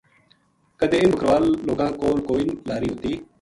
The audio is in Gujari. کَدے اِنھ بکروال لوکاں کول کوئی لاری ہوتی